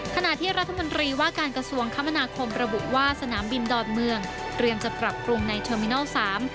ขณะที่รัฐมนตรีว่าการกระทรวงคมนาคมระบุว่าสนามบินดอนเมืองเตรียมจะปรับปรุงในเทอร์มินัลสาม